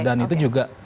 dan itu juga